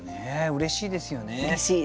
うれしいですね。